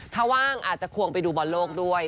ถ้าว่างอาจจะควงไปดูบอลโลกด้วย